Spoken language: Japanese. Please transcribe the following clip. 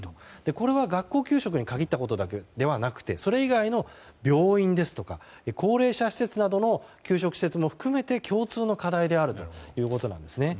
これは学校給食に限ったことではなくてそれ以外の病院ですとか高齢者施設の給食施設も含めて共通の課題であるということなんです。